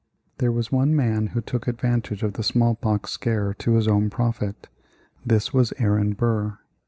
There was one man who took advantage of the small pox scare to his own profit. This was Aaron Burr.